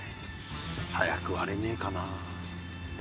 早く割れねえかな？